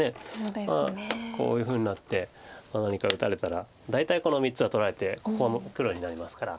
まあこういうふうになって何か打たれたら大体この３つは取られてここは黒になりますから。